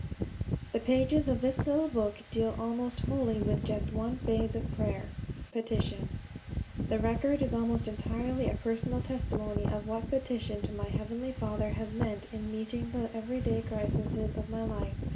_ THE pages of this little book deal almost wholly with just one phase of prayer petition. The record is almost entirely a personal testimony of what petition to my Heavenly Father has meant in meeting the everyday crises of my life.